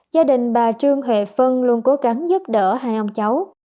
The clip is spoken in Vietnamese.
gia đình bà trương huệ phân luôn cố gắng giúp đỡ hai ông cháu